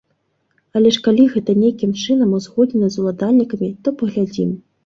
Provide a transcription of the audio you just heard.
Але ж калі гэта нейкім чынам узгоднена з уладальнікамі, то паглядзім.